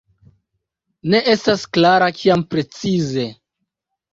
Ne estas klara kiam precize.